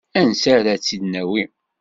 Anisi ara tt-id-nawi?